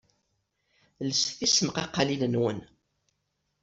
Lset tismqaqqalin-nwen.